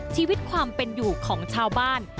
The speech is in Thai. ชีวิตความเป็นอยู่ของชาวบ้าน